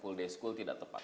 full day school tidak tepat